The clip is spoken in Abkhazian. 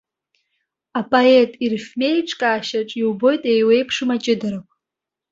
Апоет ирифмеиҿкаашьаҿ иубоит еиуеиԥшым аҷыдарақәа.